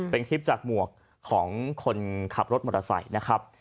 เป็นคลิปจากหมวกของคนขับรถมอเตอร์ไซค์นะครับ